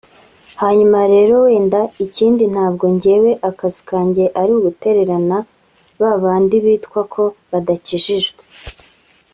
Hanyuma rero wenda ikindi ntabwo njyewe akazi kanjye ari ugutererana ba bandi bitwa ko badakijijwe